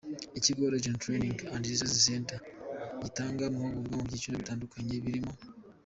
Ikigo Regional Training & Resource Centre gitanga amahugurwa mu byiciro bitandukanye birimo.